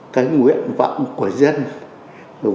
cái nguyện vọng của dân và các cơ quan nhà nước